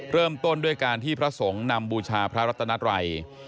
เริ่มต้นด้วยการที่พระสงฆ์นำบูชาพระรัตนัตรัย